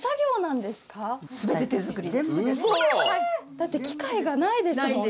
だって機械がないですもんね。